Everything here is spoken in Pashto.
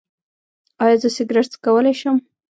ایا زه سګرټ څکولی شم؟